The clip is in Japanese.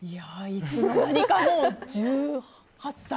いつの間にかもう１８歳。